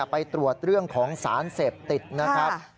ไปตรวจเรื่องของสารเสพติดนะครับ